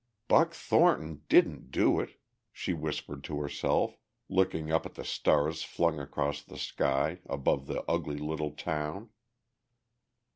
"Buck Thornton didn't do it," she whispered to herself, looking up at the stars flung across the sky above the ugly little town.